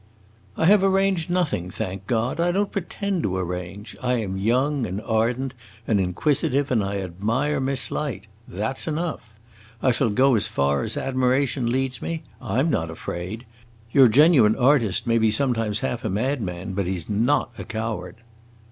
"I have arranged nothing thank God! I don't pretend to arrange. I am young and ardent and inquisitive, and I admire Miss Light. That 's enough. I shall go as far as admiration leads me. I am not afraid. Your genuine artist may be sometimes half a madman, but he 's not a coward!"